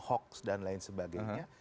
hoax dan lain sebagainya